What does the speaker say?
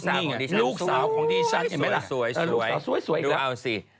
นี่ลูกสาวของดีฉันสวยดูเอาสิ